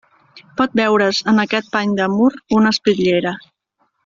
Pot veure's en aquest pany de mur una espitllera.